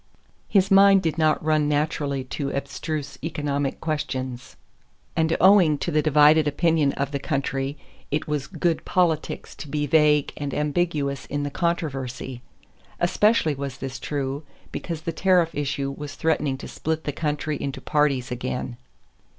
His mind did not run naturally to abstruse economic questions; and owing to the divided opinion of the country it was "good politics" to be vague and ambiguous in the controversy. Especially was this true, because the tariff issue was threatening to split the country into parties again.